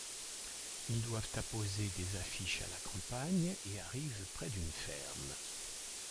Ils doivent apposer des affiches à la campagne et arrivent près d'une ferme.